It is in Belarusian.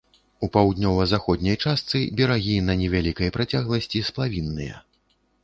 У паўднёва заходняй частцы берагі на невялікай працягласці сплавінныя.